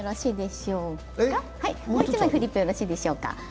もう１枚フリップよろしいでしょうか。